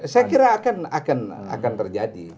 saya kira akan terjadi